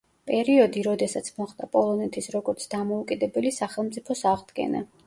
პერიოდი როდესაც მოხდა პოლონეთის როგორც დამოუკიდებელი სახელმწიფოს აღდგენა.